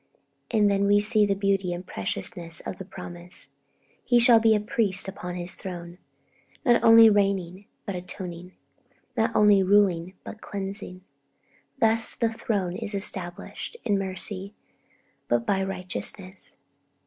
And then we see the beauty and preciousness of the promise, 'He shall be a Priest upon His throne.' Not only reigning, but atoning. Not only ruling, but cleansing. Thus the throne is established 'in mercy,' but 'by righteousness.'